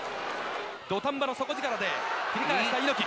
土壇場の底力で繰り出した猪木。